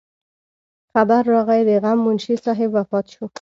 خبر راغے د غم منشي صاحب وفات شو